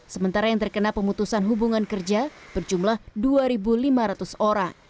sementara yang terkena pemutusan hubungan kerja berjumlah dua lima ratus orang